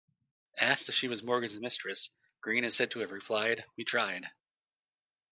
Asked if she was Morgan's mistress, Greene is said to have replied, We tried!